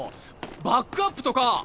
バックアップとか！